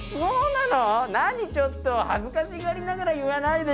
なにちょっと恥ずかしがりながら言わないでよ。